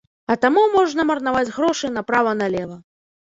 А таму можна марнаваць грошы направа-налева.